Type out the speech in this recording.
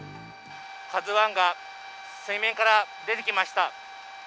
「ＫＡＺＵⅠ」が水面から出てきました。